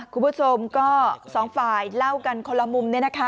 คุณผู้ชมก็สองฝ่ายเล่ากันคนละมุม